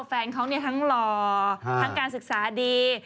แฟนเขาทั้งหล่อทั้งการศึกษาดี